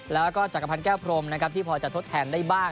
แล้วก็จักรพันธ์แก้วพรมนะครับที่พอจะทดแทนได้บ้าง